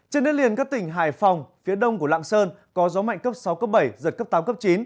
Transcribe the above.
trên đất liền các tỉnh hải phòng phía đông của lạng sơn có gió mạnh cấp sáu cấp bảy giật cấp tám cấp chín